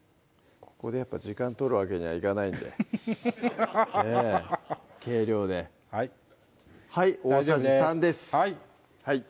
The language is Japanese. ここでやっぱ時間取るわけにはいかないんで計量で大さじ３ですはい